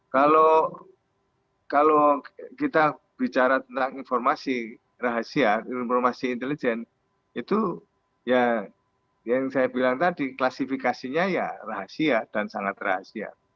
kalau kita bicara tentang informasi rahasia informasi intelijen itu ya yang saya bilang tadi klasifikasinya ya rahasia dan sangat rahasia